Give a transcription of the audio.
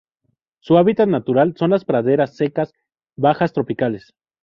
Su hábitat natural son las praderas secas bajas tropicales.